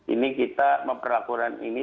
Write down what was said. ini kita memperlakukan ini